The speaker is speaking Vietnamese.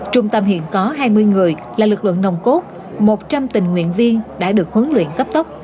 trung tâm hiện có hai mươi người là lực lượng nồng cốt một trăm linh tình nguyện viên đã được huấn luyện cấp tốc